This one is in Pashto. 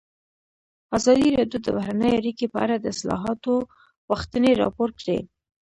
ازادي راډیو د بهرنۍ اړیکې په اړه د اصلاحاتو غوښتنې راپور کړې.